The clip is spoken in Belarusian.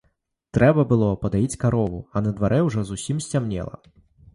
Трэба было падаіць карову, а на дварэ ўжо зусім сцямнела.